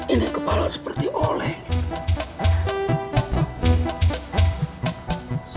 ini kepala seperti oleng